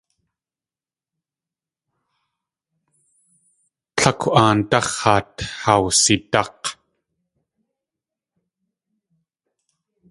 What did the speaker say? Tlákw Aandáx̲ haat haa wsidák̲.